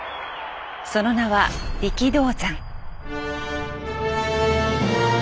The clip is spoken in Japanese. その名は力道山。